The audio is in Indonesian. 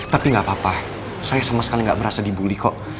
tapi gak apa apa saya sama sekali nggak merasa dibully kok